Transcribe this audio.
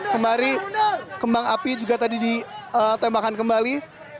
kemarin kembang api juga tadi ditembakkan kembali